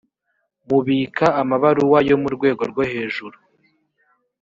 mubika amabaruwa yo mu rwego rwohejuru.